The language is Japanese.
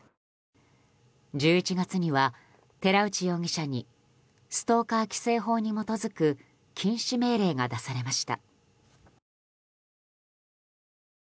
１１月には寺内容疑者にストーカー規制法に基づく禁止命令が出されました。